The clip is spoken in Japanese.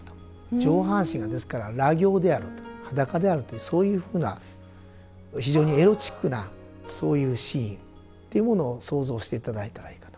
上半身がですから裸形であると裸であるというそういうふうな非常にエロチックなそういうシーンっていうものを想像していただいたらいいかなと。